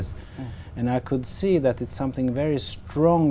hôm nay chúng tôi đang xây dựng